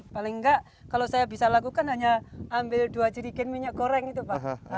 paling nggak kalau saya bisa lakukan hanya ambil dua jirigen minyak goreng itu pak